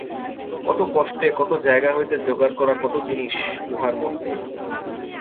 কত কষ্টে কত জায়গা হইতে জোগাড় করা কত জিনিস উহার মধ্যে!